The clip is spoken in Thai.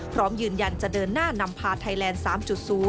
พร้อมยืนยันจะเดินหน้านำพาไทยแลนด์๓๐